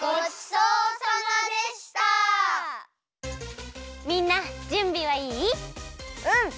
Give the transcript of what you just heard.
うん！